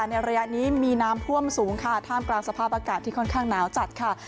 ในระยะนี้มีน้ำท่วมสูงค่ะท่ามกลางสภาพอากาศที่ค่อนข้างหนาวจัดค่ะ